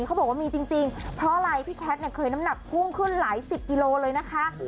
เขาบอกว่ามีจริงเพราะอะไรพี่แคทเนี่ยเคยน้ำหนักพุ่งขึ้นหลายสิบกิโลเลยนะคะ